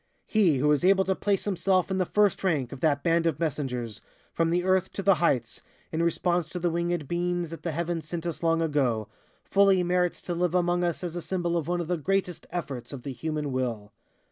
"He who was able to place himself in the first rank of that band of messengers from the earth to the heights, in response to the wingèd beings that the heavens sent us long ago, fully merits to live among us as a symbol of one of the greatest efforts of the human will.